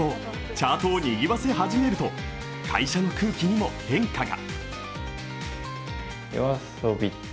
チャートをにぎわせ始めると会社の空気にも変化が。